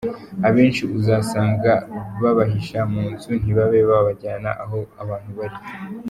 Abenshi usanga babahisha mu nzu, ntibabe babajyana aho abantu bari.